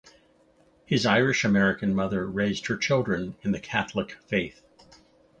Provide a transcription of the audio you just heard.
His Irish-American mother raised her children in the Catholic faith.